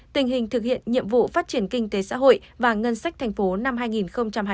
tình hình thực hiện nhiệm vụ phát triển kinh tế xã hội và ngân sách tp hcm năm hai nghìn hai mươi một